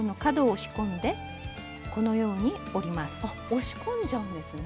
押し込んじゃうんですね。